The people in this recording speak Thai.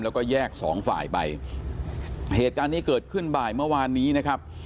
แล้วก็แยกสองฝ่ายไปเหตุการณ์นี้เกิดขึ้นบ่ายเมื่อวานนี้นะครับ